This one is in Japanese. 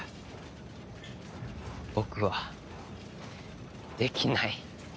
僕はできない。